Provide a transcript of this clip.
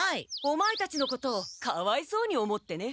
オマエたちのことをかわいそうに思ってね。